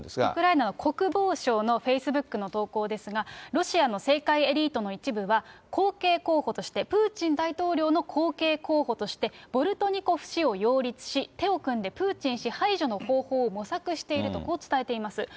ウクライナは国防省のフェイスブックの投稿ですが、ロシアの政界エリートの一部は後継候補としてプーチン大統領の後継候補として、ボルトニコフ氏を擁立し、手を組んでプーチン氏排除の方法を模索していると、こう伝えています。